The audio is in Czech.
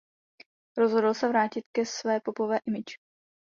Rozhodl se vrátit ke své popové image.